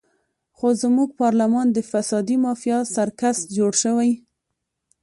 خو زموږ پارلمان د فسادي مافیا سرکس جوړ شوی.